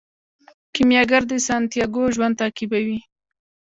کیمیاګر د سانتیاګو ژوند تعقیبوي.